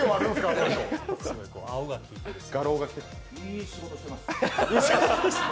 いい仕事してます。